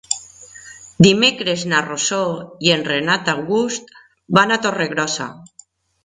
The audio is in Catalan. Dimecres na Rosó i en Renat August van a Torregrossa.